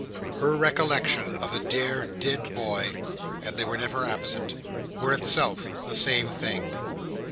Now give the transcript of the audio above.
Her recollections of the dear dead boy—and they were never absent—were itself, the same thing.